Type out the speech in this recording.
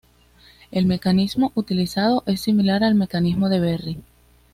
El mecanismo utilizado es similar al mecanismo de Berry.